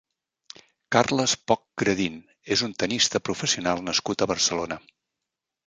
Carles Poch-Gradin és un tennista professional nascut a Barcelona.